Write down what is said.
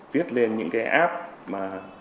viết lên những cái app